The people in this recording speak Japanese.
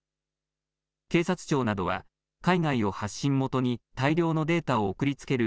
警察庁などは海外を発信元に大量のデータを送りつける